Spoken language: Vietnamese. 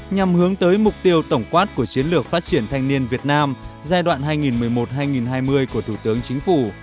nhằm hướng tới mục tiêu tổng quát của chiến lược phát triển thanh niên việt nam giai đoạn hai nghìn một mươi một hai nghìn hai mươi của thủ tướng chính phủ